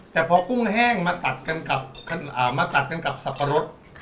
แต่พอกุ้งแห้งมาตัดมาตัดกันกับสับปะรด